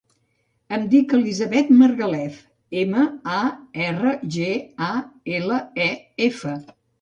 Em dic Elisabeth Margalef: ema, a, erra, ge, a, ela, e, efa.